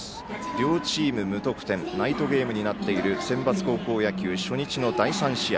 両チーム無得点ナイトゲームになっているセンバツ高校野球初日の第３試合。